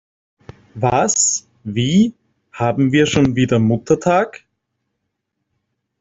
Was? Wie? Haben wir schon wieder Muttertag?